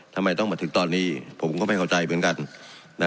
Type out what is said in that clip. ทำไมต้องมาถึงตอนนี้ผมก็ไม่เข้าใจเหมือนกันนะ